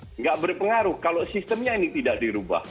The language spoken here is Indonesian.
tidak berpengaruh kalau sistemnya ini tidak dirubah